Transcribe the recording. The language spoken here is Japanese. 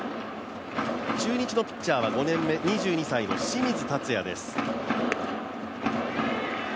中日のピッチャーは５年目、２２歳の清水達也です。